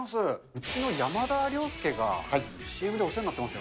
うちの山田涼介がＣＭでお世話になってます。